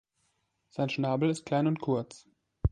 Sein Schnabel ist klein und kurz.